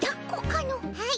はい。